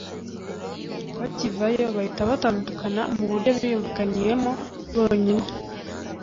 bakivayo bahita batandukana mu buryo biyumvikaniyemo bonyine